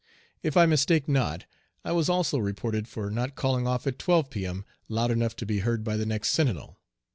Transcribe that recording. If I mistake not, I was also reported for not calling off at 12 P.M. loud enough to be heard by the next sentinel.